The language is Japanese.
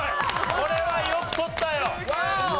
これはよく取ったよ。